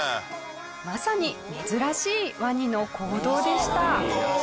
まさに珍しいワニの行動でした。